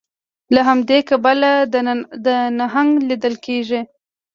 له همدې کبله دا نهنګ لیدل کیږي